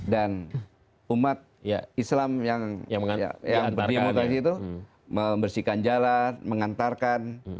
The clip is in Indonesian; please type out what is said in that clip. dan umat islam yang diimunisasi itu membersihkan jalan mengantarkan